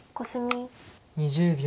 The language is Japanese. ２０秒。